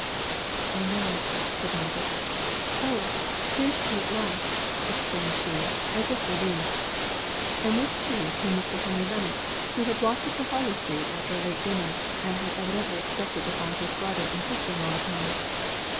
"I know it," said Margaret. "Oh, here is tea, at last!" exclaimed she, as if relieved. And with tea came Mr. Henry Lennox, who had walked up to Harley Street after a late dinner, and had evidently expected to find his brother and sister in law at home.